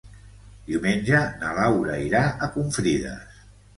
Diumenge na Laura irà a Confrides.